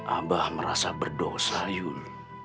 abah merasa berdosa yul